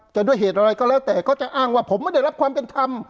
แต่ด้วยเหตุอะไรก็เลอ่นแต่เค้าจะอ้างว่าผมไม่ได้รับความเป็นทำ